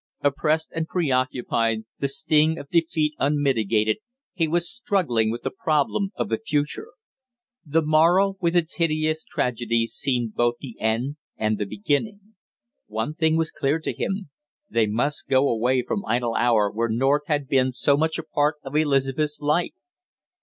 Oppressed and preoccupied, the sting of defeat unmitigated, he was struggling with the problem of the future. The morrow with its hideous tragedy seemed both the end and the beginning. One thing was clear to him, they must go away from Idle Hour where North had been so much a part of Elizabeth's life.